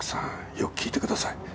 よく聞いてください。